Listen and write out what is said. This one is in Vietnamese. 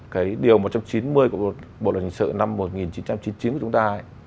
cái điều một trăm chín mươi của bộ luật hình sự năm một nghìn chín trăm chín mươi chín của chúng ta ấy